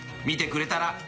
見てくれたら。